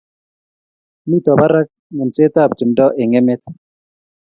mito barak ng'emsetab timdo eng emet